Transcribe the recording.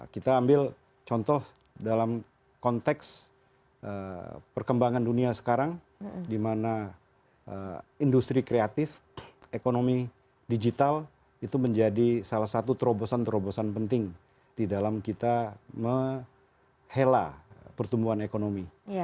kita ambil contoh dalam konteks perkembangan dunia sekarang di mana industri kreatif ekonomi digital itu menjadi salah satu terobosan terobosan penting di dalam kita menghela pertumbuhan ekonomi